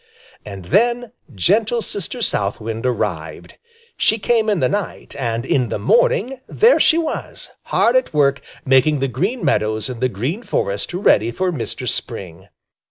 And then gentle Sister South Wind arrived. She came in the night, and in the morning there she was, hard at work making the Green Meadows and the Green Forest ready for Mistress Spring.